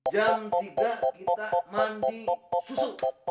jam tiga kita mandi susu